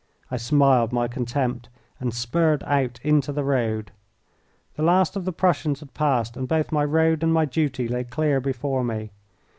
I smiled my contempt and spurred out into the road. The last of the Prussians had passed, and both my road and my duty lay clear before me.